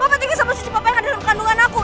papa tinggal sama suci papa yang ada di kandungan aku